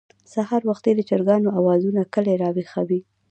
سهار وختي د چرګانو اوازونه کلى راويښوي.